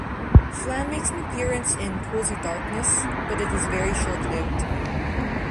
Phlan makes an appearance in "Pools of Darkness" but it is very short lived.